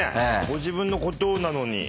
ご自分のことなのに。